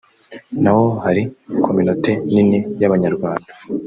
naho hari communauté nini y’Abanyarwanda